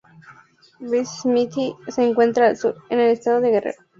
B. smithi se encuentra al sur, en el estado de Guerrero.